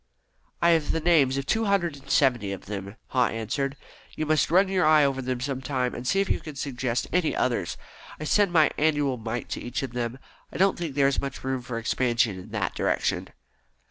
"I have the names of two hundred and seventy of them," Haw answered. "You must run your eye over them some time, and see if you can suggest any others. I send my annual mite to each of them. I don't think there is much room for expansion in that direction."